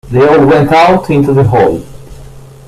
They all went out into the hall.